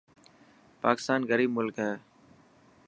پاڪستان غريب ملڪ هي.